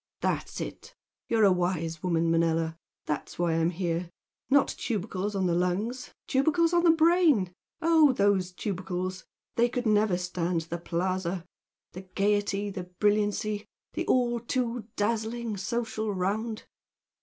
"That's it! You're a wise woman, Manella! That's why I'm here. Not tubercles on the lungs, tubercles on the brain! Oh, those tubercles! They could never stand the Plaza! the gaiety, the brilliancy the the all too dazzling social round!..."